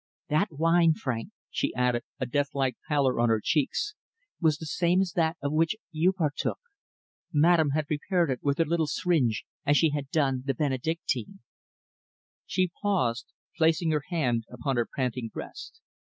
That wine, Frank," she added, a deathlike pallor on her cheeks, "was the same as that of which you partook. Madame had prepared it with her little syringe as she had done the Benedictine." She paused, placing her hand upon her panting breast.